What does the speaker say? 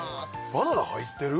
バナナ入ってる？